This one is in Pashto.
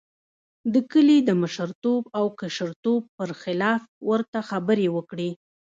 د کلي د مشرتوب او کشرتوب پر خلاف ورته خبرې وکړې.